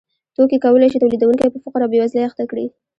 توکي کولای شي تولیدونکی په فقر او بېوزلۍ اخته کړي